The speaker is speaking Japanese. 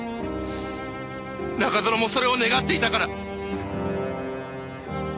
中園もそれを願っていたから！